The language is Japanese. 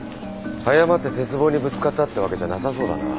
誤って鉄棒にぶつかったってわけじゃなさそうだな。